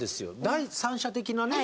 第三者的なね。